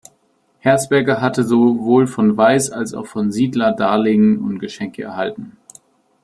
Herzberger hatte sowohl von Weiss als auch von Siedler Darlehen und Geschenke erhalten.